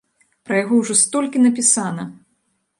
Пра яго ўжо столькі напісана!